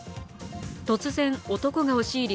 突然、男が押し入り